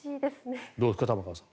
どうですか玉川さん。